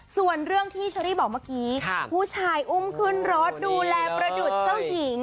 ส่วนเรื่องที่เชอรี่บอกเมื่อกี้ผู้ชายอุ้มขึ้นรถดูแลประดุษเจ้าหญิง